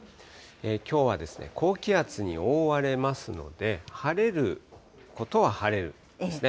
きょうは高気圧に覆われますので、晴れることは晴れるんですね。